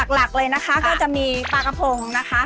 หลักเลยนะคะก็จะมีปลากระพงนะคะ